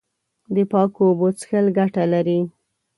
د پاکو اوبو څښل ګټه لري.